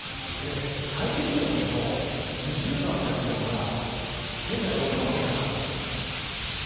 最低気温を見ると２０度あった気温が仙台は６度まで下がる。